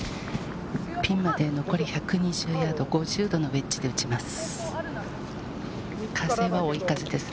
ピンまで残り１２０ヤード、５０度のウェッジで打ちます。